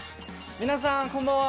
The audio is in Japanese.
皆さん、こんばんは。